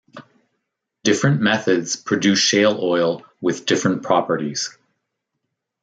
Different methods produce shale oil with different properties.